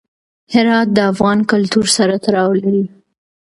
هرات د افغان کلتور سره تړاو لري.